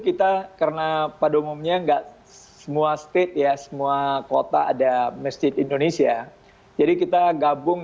kita karena pada umumnya enggak semua state ya semua kota ada masjid indonesia jadi kita gabung